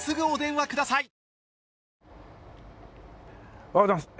おはようございます。